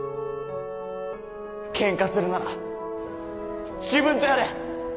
ケンカするなら自分とやれ！